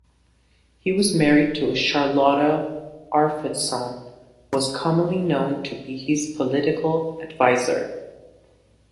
He was married to Charlotta Arfwedson, was commonly known to be his political adviser.